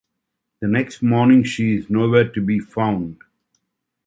The next morning she is nowhere to be found.